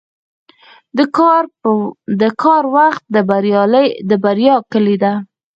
• د کار وخت د بریا کلي ده.